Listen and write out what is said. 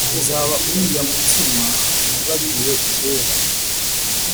nzaba uriya mutima wibagiwe kera